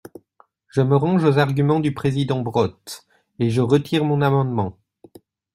Je me range aux arguments du président Brottes, et je retire mon amendement.